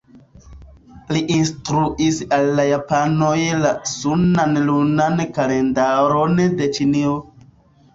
Li instruis al la japanoj la sunan-lunan kalendaron de Ĉinio.